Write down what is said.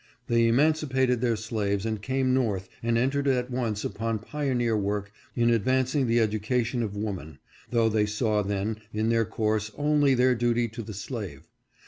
They emancipated their slaves and came North and entered at once upon pioneer work in advancing the education of woman, though they saw then in their course only their duty to the slave.